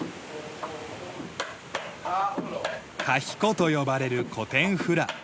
カヒコと呼ばれる古典フラ。